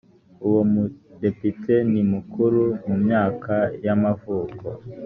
uwo mudepite ni mukuru mu myaka y amavuko